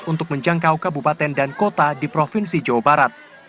untuk menjangkau kabupaten dan kota di provinsi jawa barat